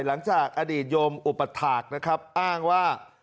หลังจากอดีตโยมอุปถาคนะครับอ้างว่า